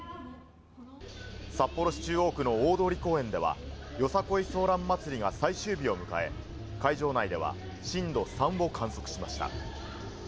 札幌市中央区の大通公園では、ヨサコイソーラン祭りが最終日を迎え、会場内では震度３を観測しました。